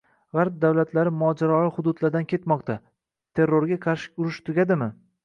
G‘arb davlatlari mojaroli hududlardan ketmoqda. Terrorga qarshi urush tugadimi?